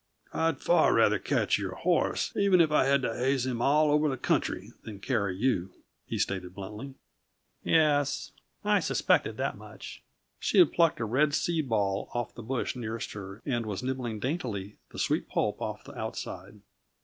"I'd far rather catch your horse, even if I had to haze him all over the country, than carry you," he stated bluntly. "Yes. I suspected that much." She had plucked a red seed ball off the bush nearest her and was nibbling daintily the sweet pulp off the outside.